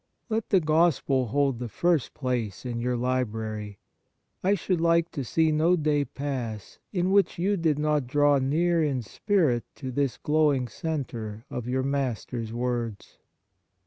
Let the Gospel hold the first place in your library. I should like to see no day pass in which you did not draw near in spirit to this glowing centre of your Master s words.